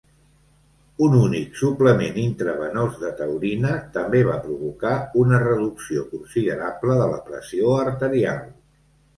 Un únic suplement intravenós de taurina també va provocar una reducció considerable de la pressió arterial.